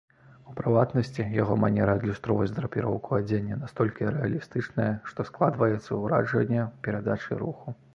У прыватнасці, яго манера адлюстроўваць драпіроўку адзення настолькі рэалістычная, што складваецца ўражанне перадачы руху.